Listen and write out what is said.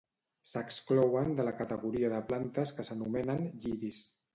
S'exclouen de la categoria de plantes que s'anomenen "lliris".